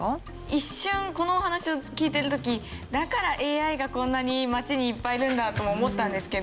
一瞬このお話を聞いてる時「だからＡＩがこんなに街にいっぱいいるんだ」とも思ったんですけど。